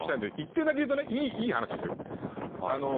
１点だけ言うと、いい話ですよ。